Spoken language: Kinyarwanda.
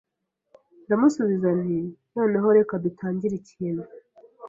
Ndamusubiza nti Noneho reka dutangire ikintu